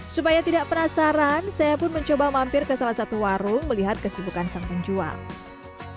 supaya tidak penasaran saya pun mencoba mampir ke salah satu warung melihat kesibukan sang penjual